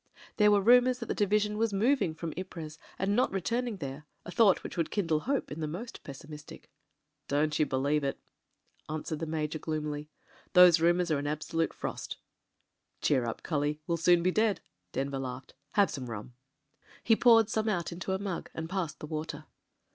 There were rumours that the di vision was moving from Ypres, and not returning there — a thought which would kindle hope in the most pessimistic. "Don't you believe it," answered the Major gloom ily. "Those rumours are an absolute frost." "Cheer up! cully, we'll soon be dead." Denver laughed. "Have some rum." He poured some out into a mug and passed the water.